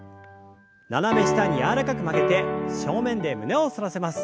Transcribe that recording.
斜め下に柔らかく曲げて正面で胸を反らせます。